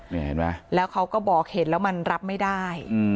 นี่เห็นไหมแล้วเขาก็บอกเห็นแล้วมันรับไม่ได้